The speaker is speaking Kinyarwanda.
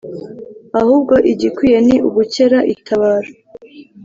Ahubwo igikwiye ni ugukera itabaro